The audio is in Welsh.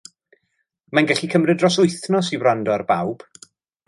Mae'n gallu cymryd dros wythnos i wrando ar bawb